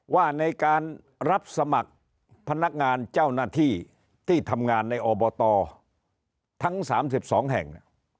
ว่าในการรับสมัครพนักงานเจ้าหน้าที่ที่ทำงานในอบตทั้ง๓๒แห่ง